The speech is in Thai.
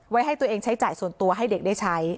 ให้ตัวเองใช้จ่ายส่วนตัวให้เด็กได้ใช้